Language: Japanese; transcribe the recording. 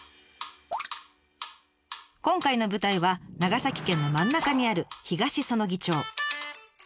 今回の舞台は長崎県の真ん中にある東彼杵町。